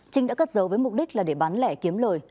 trinh đã cất giấu với mục đích là để bán lẻ kiếm lời